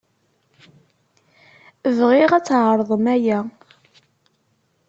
Bɣiɣ ad tɛeṛḍem aya.